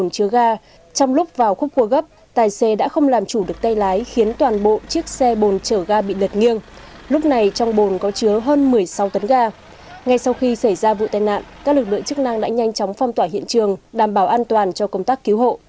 các nàng đã nhanh chóng phong tỏa hiện trường đảm bảo an toàn cho công tác cứu hộ